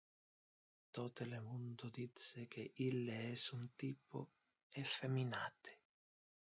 Tote le mundo dice que ille es un typo effeminate.